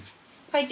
はい。